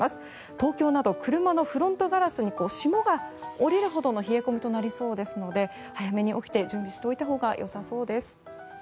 東京など車のフロントガラスに霜が降りるほどの冷え込みとなりそうですので早めに起きて準備しておいたほうがよさそうです。